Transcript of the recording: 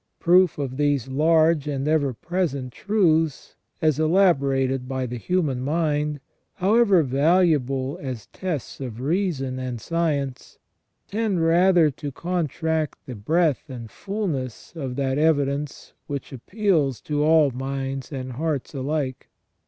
Proof of these large and ever present truths, as elaborated by the human mind, however valuable as tests of reason and science, tend rather to contract the breadth and fulness of that evidence which appeals to all minds and hearts alike.